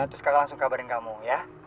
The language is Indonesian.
terus kakak langsung kabarin kamu ya